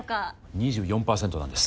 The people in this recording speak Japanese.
２４％なんです。